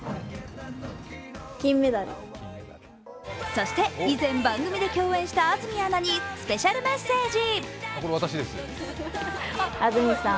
そして以前、番組で共演した安住アナにスペシャルメッセージ。